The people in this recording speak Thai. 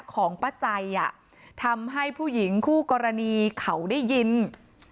แต่จังหวะที่ผ่านหน้าบ้านของผู้หญิงคู่กรณีเห็นว่ามีรถจอดขวางทางจนรถผ่านเข้าออกลำบาก